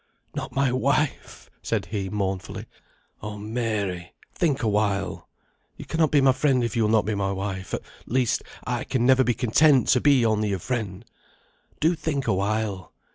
"Not my wife!" said he, mournfully. "Oh Mary, think awhile! you cannot be my friend if you will not be my wife. At least I can never be content to be only your friend. Do think awhile!